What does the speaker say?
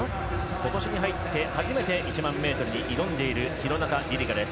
今年に入って初めて１００００ｍに挑んでいる廣中璃梨佳です。